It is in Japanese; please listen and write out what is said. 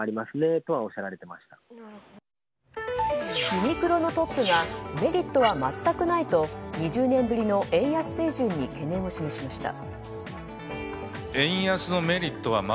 ユニクロのトップがメリットは全くないと２０年ぶりの円安水準に懸念を示しました。